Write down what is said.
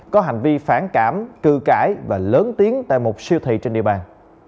có hành vi phản cảm cư cãi và lớn tiếng tại một siêu thị trên địa bàn